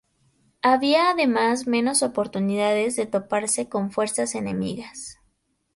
Había además menos oportunidades de toparse con fuerzas enemigas.